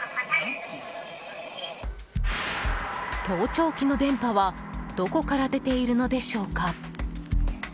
盗聴器の電波はどこから出ているのでしょうか。